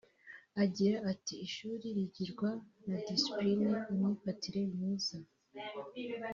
Agira ati “Ishuri rigirwa na ‘displine’ (imyifatire myiza)